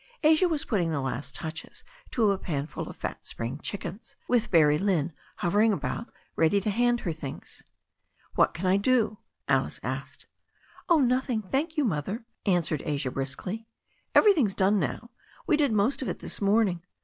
Asia was putting the last touches to a pan full of fat spring chickens, with Barrie Lynne hovering about ready to hand her things. What can I do?" Alice asked. Oh, nothing, thank you. Mother," answered Asia briskly. Everything's done now. We did most of it this morning.